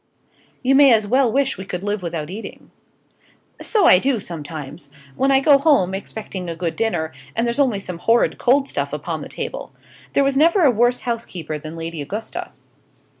"You may as well wish we could live without eating." "So I do, sometimes when I go home, expecting a good dinner, and there's only some horrid cold stuff upon the table. There never was a worse housekeeper than Lady Augusta.